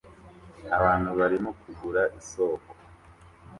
abantu barimo kugura isoko